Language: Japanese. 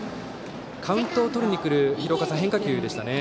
カウントを取りに来る変化球でしたね。